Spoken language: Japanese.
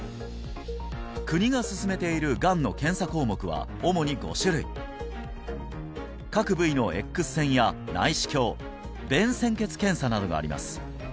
国がすすめているがんの検査項目は主に５種類各部位のＸ線や内視鏡便潜血検査などがあります